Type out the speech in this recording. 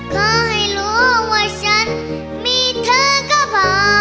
ขอให้รู้ว่าฉันมีเธอก็พอ